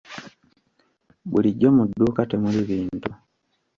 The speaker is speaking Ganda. Bulijjo mu dduuka temuli bintu.